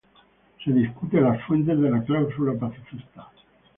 Se discute la fuente de la cláusula pacifista.